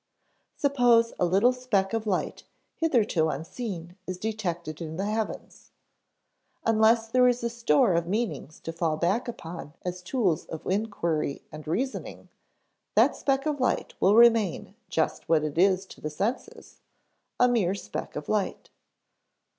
Suppose a little speck of light hitherto unseen is detected in the heavens. Unless there is a store of meanings to fall back upon as tools of inquiry and reasoning, that speck of light will remain just what it is to the senses a mere speck of light.